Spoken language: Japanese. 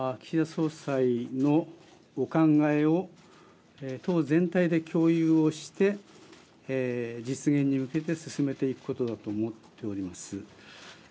私の役目は岸田総裁のお考えを党全体で共有をして実現に向けて進めていくことだと思っております。